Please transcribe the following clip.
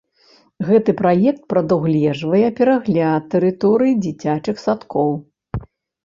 Гэты праект прадугледжвае перагляд тэрыторый дзіцячых садкоў.